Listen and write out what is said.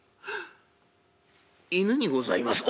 犬にございます」。